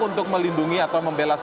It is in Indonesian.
untuk melindungi atau membelas